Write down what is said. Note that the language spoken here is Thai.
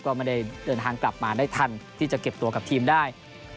ก็ไม่ได้เดินทางกลับมาได้ทันที่จะเก็บตัวกับทีมได้